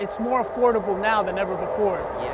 lebih murah sekarang daripada sebelumnya